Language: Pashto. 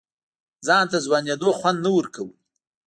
ځان ته ځوانېدو خوند نه ورکوه.